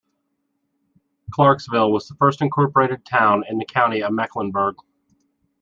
Clarksville was the first incorporated town in the county of Mecklenburg.